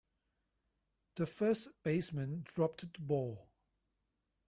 The first baseman dropped the ball.